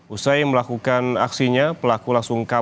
usai melakukan aksinya pelaku langsung kabur